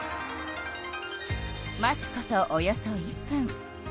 待つことおよそ１分。